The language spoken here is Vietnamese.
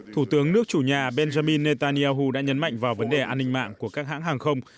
thủ tướng nước chủ nhà benjamin netanyahu đã nhấn mạnh vào vấn đề an ninh mạng của các hãng hàng không